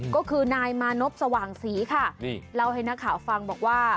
ก็คือนายมานพสว่างศรีค่ะนี่เล่าให้นักข่าวฟังบอกว่า